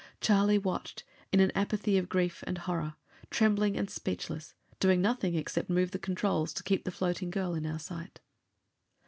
Charlie watched in an apathy of grief and horror, trembling and speechless doing nothing except move the controls to keep the floating girl in our sight.